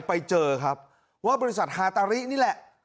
ไปเจอครับว่าบริษัทฮาตารินี่แหละ